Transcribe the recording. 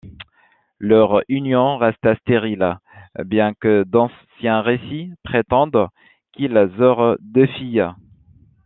Leur union resta stérile, bien que d'anciens récits prétendent qu'ils eurent deux filles.